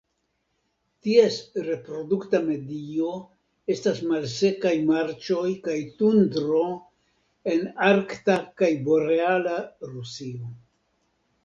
Ties reprodukta medio estas malsekaj marĉoj kaj tundro en arkta kaj boreala Rusio.